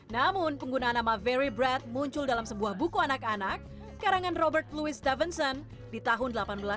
namun penggunaan nama very bread muncul dalam sebuah buku anak anak karangan robert louis davinson di tahun seribu delapan ratus sembilan puluh